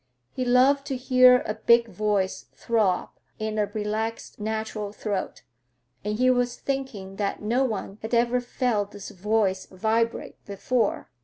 He loved to hear a big voice throb in a relaxed, natural throat, and he was thinking that no one had ever felt this voice vibrate before.